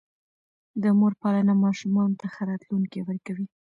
د مور پالنه ماشومانو ته ښه راتلونکی ورکوي.